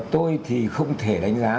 tôi thì không thể đánh giá